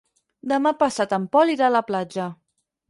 Demà passat en Pol irà a la platja.